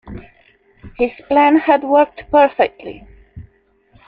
His plan had worked perfectly.